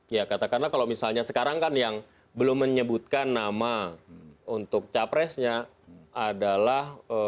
ya katakanlah kalau misalnya sekarang kan yang belum menyebutkan nama untuk capresnya adalah